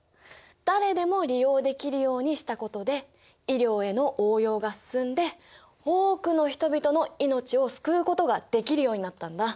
誰でも利用できるようにしたことで医療への応用が進んで多くの人々の命を救うことができるようになったんだ。